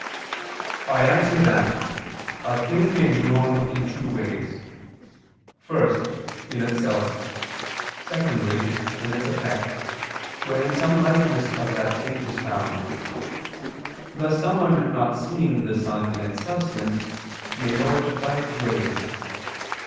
I answer that, A thing may be known in two ways: first, in itself; secondly, in its effect, wherein some likeness of that thing is found: thus someone not seeing the sun in its substance, may know it by its rays.